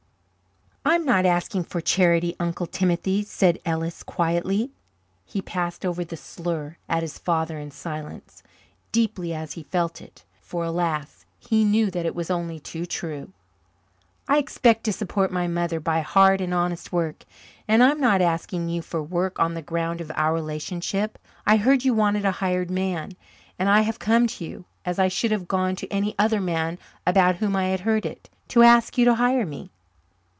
"I am not asking for charity, Uncle Timothy," said Ellis quietly. He passed over the slur at his father in silence, deeply as he felt it, for, alas, he knew that it was only too true. "I expect to support my mother by hard and honest work. And I am not asking you for work on the ground of our relationship. I heard you wanted a hired man, and I have come to you, as I should have gone to any other man about whom I had heard it, to ask you to hire me."